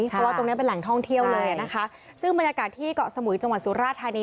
เพราะว่าตรงเนี้ยเป็นแหล่งท่องเที่ยวเลยนะคะซึ่งบรรยากาศที่เกาะสมุยจังหวัดสุราธานี